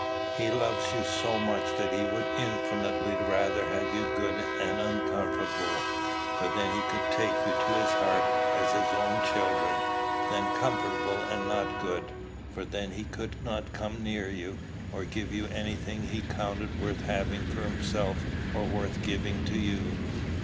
He loves you so much that he would infinitely rather have you good and uncomfortable, for then he could take you to his heart as his own children, than comfortable and not good, for then he could not come near you, or give you any thing he counted worth having for himself or worth giving to you."